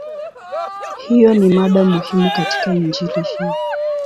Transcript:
Hiyo ni mada muhimu katika Injili hiyo.